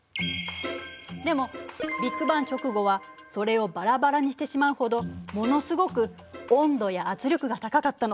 でもビッグバン直後はそれをバラバラにしてしまうほどものすごく温度や圧力が高かったの。